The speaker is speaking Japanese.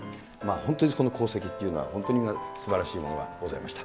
本当に、この功績っていうのは、すばらしいものがございました。